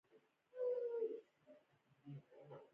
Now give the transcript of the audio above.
مالیه د ټولنیزو خدماتو تمویل کوي.